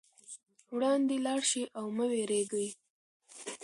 وړاندې لاړ شئ او مه وېرېږئ.